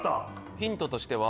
ヒントとしては。